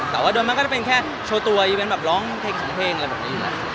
แต่ว่าโดยมากก็จะเป็นแค่โชว์ตัวอีเวนต์แบบร้องเพลงสองเพลงอะไรแบบนี้